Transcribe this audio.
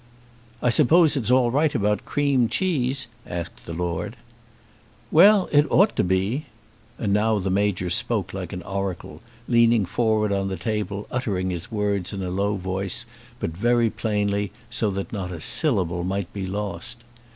"I suppose it's all right about Cream Cheese?" asked the Lord. "Well; it ought to be." And now the Major spoke like an oracle, leaning forward on the table, uttering his words in a low voice, but very plainly, so that not a syllable might be lost.